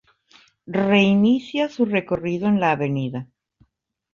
Reinicia su recorrido en la Av.